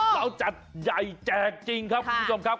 เราจะใหญ่แจกจริงคุณคุณท่อมครับ